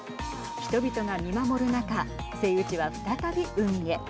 人々が見守る中セイウチは再び海へ。